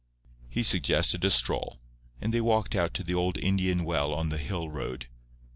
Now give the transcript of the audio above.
He suggested a stroll, and they walked out to the old Indian well on the hill road.